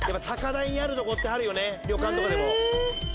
高台にあるとこってあるよね旅館とかでも。